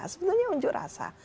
sebenarnya unjuk rasa